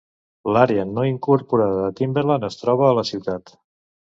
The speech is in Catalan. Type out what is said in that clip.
L'àrea no incorporada de Timberland es troba a la ciutat.